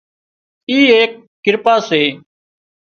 اي ايڪ ڪرپا سي